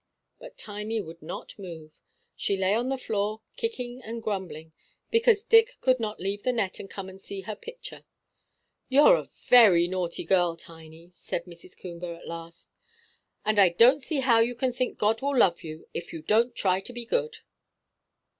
But Tiny would not move. She lay on the floor, kicking and grumbling, because Dick could not leave the net and come and see her picture. "You're a very naughty girl, Tiny," said Mrs. Coomber at last; "and I don't see how you can think God will love you if you don't try to be good."